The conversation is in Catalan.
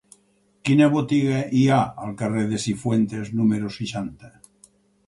Quina botiga hi ha al carrer de Cifuentes número seixanta?